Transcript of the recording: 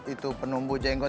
itu penumbuh jenggot